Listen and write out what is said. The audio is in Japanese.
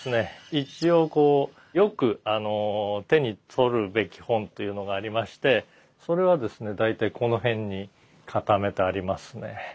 一応こうよく手に取るべき本というのがありましてそれはですね大体この辺に固めてありますね。